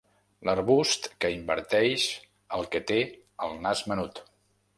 L'arbust que inverteix el que té el nas menut.